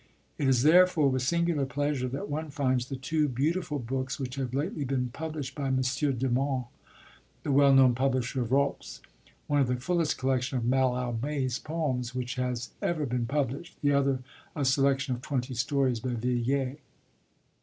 It is therefore with singular pleasure that one finds the two beautiful books which have lately been published by M. Deman, the well known publisher of Rops: one, the fullest collection of Mallarmé's poems which has ever been published, the other a selection of twenty stories by Villiers.